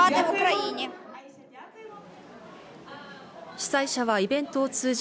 主催者はイベントを通じ、